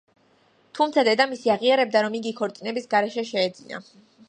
თუმცა, დედამისი აღიარებდა, რომ იგი ქორწინების გარეშე შეეძინა.